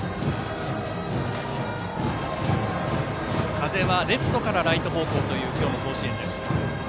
風はレフトからライト方向という今日の甲子園です。